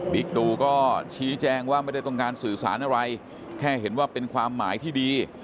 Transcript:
ตูก็ชี้แจงว่าไม่ได้ต้องการสื่อสารอะไรแค่เห็นว่าเป็นความหมายที่ดี